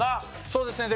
そうですね。